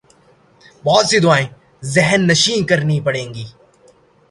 بہت سی دعائیں ذہن نشین کرنی پڑیں گی۔